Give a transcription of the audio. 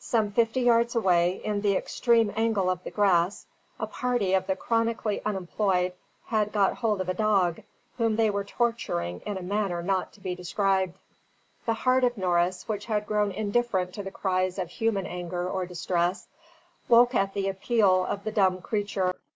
Some fifty yards away, in the extreme angle of the grass, a party of the chronically unemployed had got hold of a dog, whom they were torturing in a manner not to be described. The heart of Norris, which had grown indifferent to the cries of human anger or distress, woke at the appeal of the dumb creature.